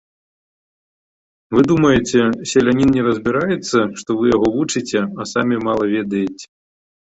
Вы думаеце, селянін не разбіраецца, што вы яго вучыце, а самі мала ведаеце.